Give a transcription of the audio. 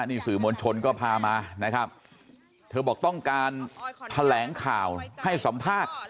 นี่สื่อมวลชนก็พามานะครับเธอบอกต้องการแถลงข่าวให้สัมภาษณ์